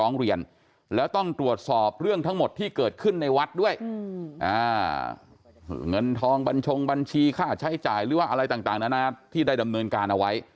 เงินทองบัญชงบัญชีค่าใช้จ่ายหรือว่าอะไรต่างนั้นนะที่ได้ดำเนินการเอาไว้